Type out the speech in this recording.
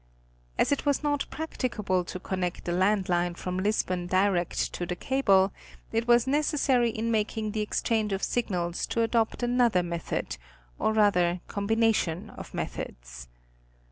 As it was not practicable to connect the land line from Lisbon direct to the cable, it was "necessary in making the exchange of signals to adopt another method, or rather combination of methods.